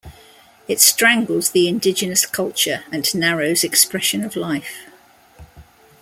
It strangles the indigenous culture and narrows expression of life.